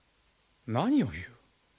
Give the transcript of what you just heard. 何を言う！